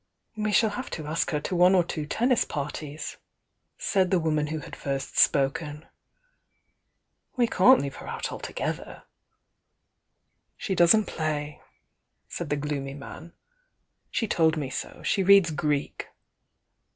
"We shall have to ask her to one or two tennis parties," said the woman who had first spoken. "We can't leave her out altogether." "She doesn't play," said the gloomy man. "She told me so. She reads Greek."